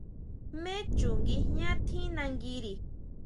¿Jmé chu nguijñá tjín nanguiri?